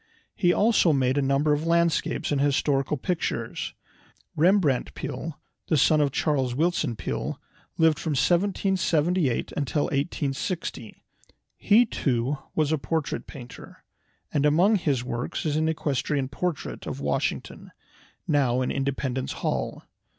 He also made a number of landscapes and historical pictures. Rembrandt Peale, the son of Charles Willson Peale, lived from 1778 until 1860. He too was a portrait painter, and among his works is an equestrian portrait of Washington, now in Independence Hall.